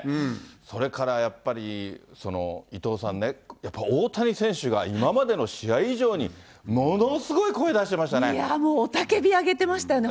それからやっぱり伊藤さんね、やっぱり大谷選手が今までの試合以上に、いやもう、雄叫び上げてましたよね。